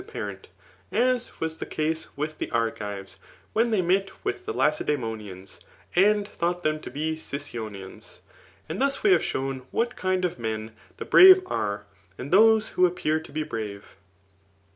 |q»re^; as was die case with die Argives^ wh«» diey met yAth the Lacedaemonian^ and thought them to h^ the Sicyonians. And thus we have shown what kind of men the hwio are^ and those who appear to be brave.